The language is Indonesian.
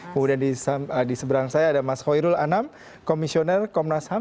kemudian di seberang saya ada mas hoirul anam komisioner komnas ham